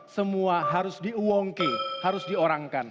semua harus diuangke harus diorangkan